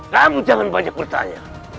kamu jangan banyak bertanya